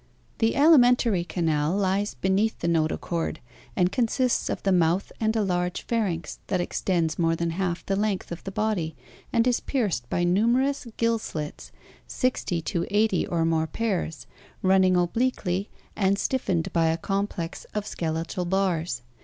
The alimentary canal lies beneath the notochord, and consists of the mouth and a large pharynx that extends more than half the length of the body and is pierced by numerous gill slits (60 80 or more pairs) running obliquely and stiffened by a complex of skeletal bars.